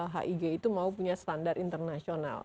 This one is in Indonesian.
hig itu mau punya standar internasional